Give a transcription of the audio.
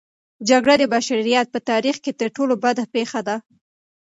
جګړه د بشریت په تاریخ کې تر ټولو بده پېښه ده.